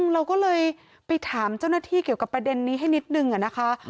เราก็เลยไปถามเจ้าหน้าที่เกี่ยวกับประเด็นนี้ให้นิดนึงนะคะ